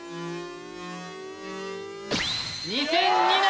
２００２年！